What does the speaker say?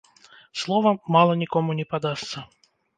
Словам, мала нікому не падасца.